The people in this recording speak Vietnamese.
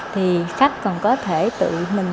thì khách còn có thể tự mình